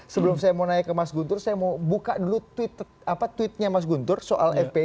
sebelum saya mau nanya ke mas guntur saya mau buka dulu tweetnya mas guntur soal fpi